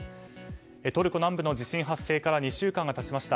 トルコ南部の地震発生から２週間が経ちました。